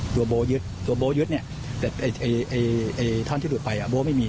ตัวโบ๊ะยึดตัวโบ๊ะยึดแต่ท่อนที่หลุดไปโบ๊ะไม่มี